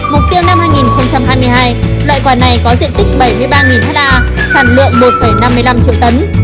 mục tiêu năm hai nghìn hai mươi hai loại quả này có diện tích bảy mươi ba ha sản lượng một năm mươi năm triệu tấn